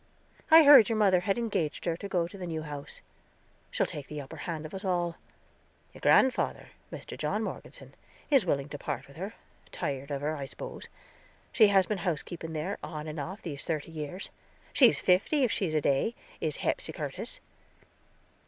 I heard your mother had engaged her to go in the new house; she'll take the upper hand of us all. Your grandfather, Mr. John Morgeson, is willing to part with her; tired of her, I spose. She has been housekeeping there, off and on, these thirty years. She's fifty, if she is a day, is Hepsy Curtis."